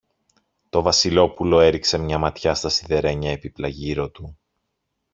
Το Βασιλόπουλο έριξε μια ματιά στα σιδερένια έπιπλα γύρω του.